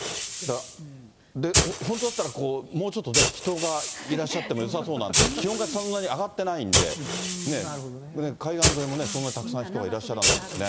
本当だったら、もうちょっとね、人がいらっしゃってもよさそうなんですが、気温がそんなに上がってないんで、海岸沿いもね、そんなにたくさん人がいらっしゃらないんですね。